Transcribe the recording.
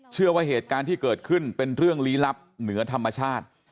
เชื่อว่าเหตุการณ์ที่เกิดขึ้นเป็นเรื่องลี้ลับเหนือธรรมชาติ